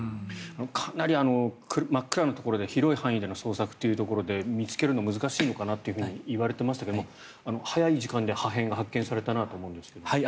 かなり真っ暗なところで広い範囲での捜索ということで見つけるのは難しいといわれていましたが早い時間で破片が発見されたなと思うんですが。